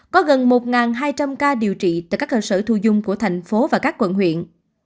có gần một hai trăm linh ca điều trị tại các cơ sở thu dung của thành phố và các quận huyện